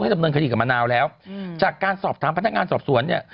ดำเนินคดีกับมะนาวแล้วจากการสอบถามพนักงานสอบสวนเนี่ย